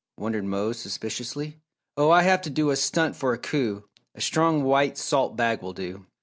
wondered Mose, suspiciously. "Oh, I have to do a stunt for a coup a strong white salt bag will do."